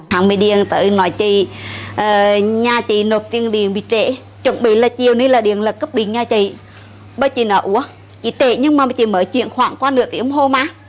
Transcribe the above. hàng mươi đêm tôi nói chị nhà chị nộp tiền điện bị trễ chuẩn bị là chiều này là điện lực cấp điện nhà chị bởi chị nộp á chị trễ nhưng mà chị mới chuyển khoảng qua nửa tiếng hôm á